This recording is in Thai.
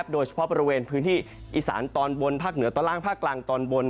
โดยเฉพาะบริเวณพื้นที่อีสานตอนบนภาคเหนือตอนล่างภาคกลางตอนบน